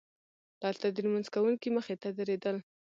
دلته د لمونځ کوونکي مخې ته تېرېدل.